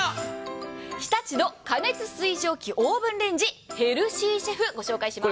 日立の過熱水蒸気オーブンレンジヘルシーシェフ、ご紹介します。